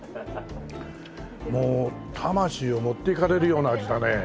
もう魂を持っていかれるような味だね。